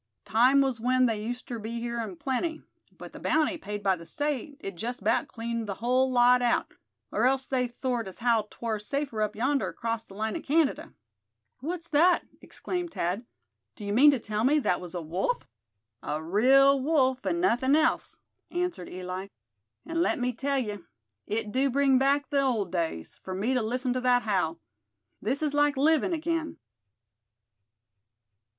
"Time was when they uster be here in plenty; but the bounty paid by the state, it just 'bout cleaned the hull lot out; er else they thort as how 'twar safer up yonder, acrost the line in Canada." "What's that?" exclaimed Thad; "do you mean to tell me that was a wolf?" "A real wolf, an' nothin' else," answered Eli; "an' let me tell ye, it do bring back the old days, fur me to listen to thet howl. This is like livin' again."